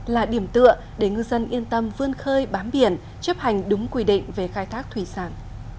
là điểm tựa để ngư dân yên tâm vươn khơi bám biển chấp hành đúng quy định về khai thác thủy sản